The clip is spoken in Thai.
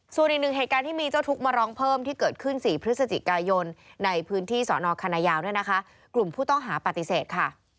ส่วนอีกหนึ่งเหตุการณ์ที่มีเจ้าทุกข์มาร้องเพิ่มที่เกิดขึ้น๔พฤศจิกายนในพื้นที่สอนอคณะยาวเนี่ยนะคะกลุ่มผู้ต้องหาปฏิเสธค่ะ